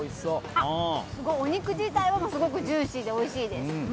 お肉自体がすごくジューシーでおいしいです。